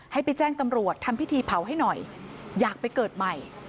ให้ไปแจ้งตำรวจทำพิธีเผาให้หน่อยอยากไปเกิดใหม่